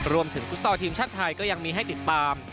ฟุตซอลทีมชาติไทยก็ยังมีให้ติดตาม